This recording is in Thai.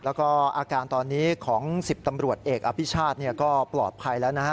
แล้วก็อาการตอนนี้ของ๑๐ตำรวจเอกอภิชาติก็ปลอดภัยแล้วนะฮะ